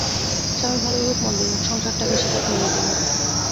স্বামী ভালোই হোক, মন্দই হোক, সংসারটাকে স্বীকার করে নিতেই হবে।